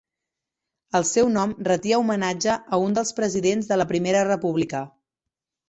El seu nom retia homenatge a un dels presidents de la Primera República.